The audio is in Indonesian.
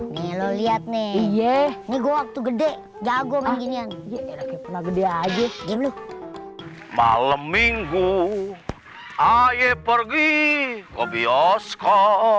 nih lo lihat nih iya nih gua waktu gede jago beginian gede aja malam minggu ayo pergi kopi osco